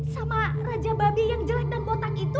sama raja babi yang jelek dan botak itu